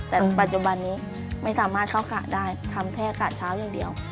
แต่ปัจจุบันนี้ไม่สามารถเข้าขาได้ทำแค่กะเช้าอย่างเดียว